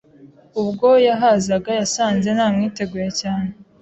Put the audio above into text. Ubwo yahazaga, yasanze namwiteguye cyane